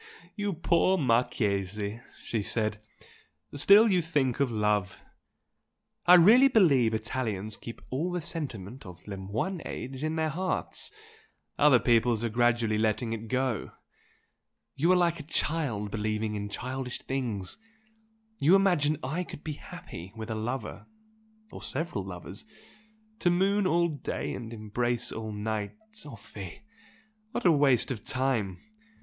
"You poor Marchese!" she said "Still you think of love! I really believe Italians keep all the sentiment of le moyen age in their hearts, other peoples are gradually letting it go. You are like a child believing in childish things! You imagine I could be happy with a lover or several lovers! To moon all day and embrace all night! Oh fie! What a waste of time!